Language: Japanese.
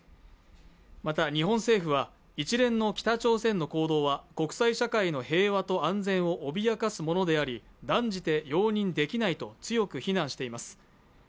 また、日本政府は、一連の北朝鮮の行動は国際社会の平和と安全を脅かすものであり、断じて容認できないと強く非難しています。